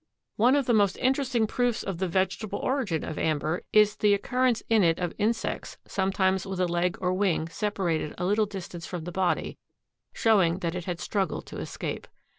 One of the most interesting proofs of the vegetable origin of amber is the occurrence in it of insects, sometimes with a leg or wing separated a little distance from the body, showing that it had struggled to escape.